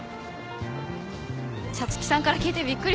皐月さんから聞いてびっくりした。